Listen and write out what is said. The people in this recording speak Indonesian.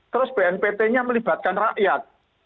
terus bnpt nya melibatkan rakyat